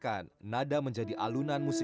pertama suara dari biasusu